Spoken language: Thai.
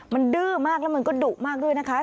มันดื้อมากแล้วมันก็ดุมากด้วยนะคะ